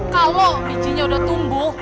kalau bijinya udah tumbuh